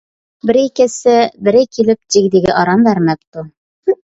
بىرى كەتسە، بىرى كېلىپ جىگدىگە ئارام بەرمەپتۇ.